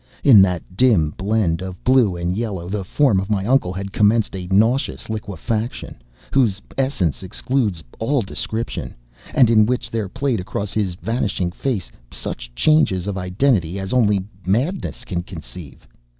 In that dim blend of blue and yellow the form of my uncle had commenced a nauseous liquefaction whose essence eludes all description, and in which there played across his vanishing face such changes of identity as only madness can conceive.